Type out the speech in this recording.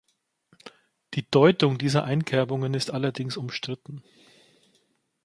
Die Deutung dieser Einkerbungen ist allerdings umstritten.